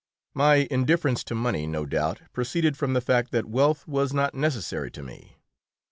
My indifference to money no doubt proceeded from the fact that wealth was not necessary to me.